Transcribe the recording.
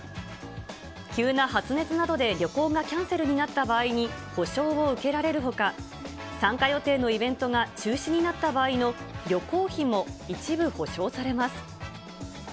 急な発熱などで旅行がキャンセルになった場合に補償を受けられるほか、参加予定のイベントが中止になった場合の旅行費も一部補償されます。